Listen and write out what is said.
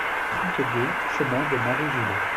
trente-deux chemin de Marijoulet